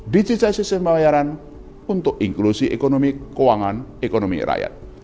digital sistem pembayaran untuk inklusi ekonomi keuangan ekonomi rakyat